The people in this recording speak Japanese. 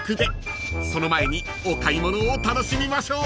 ［その前にお買い物を楽しみましょう］